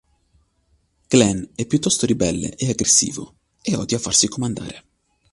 Glen è piuttosto ribelle e aggressivo e odia farsi comandare.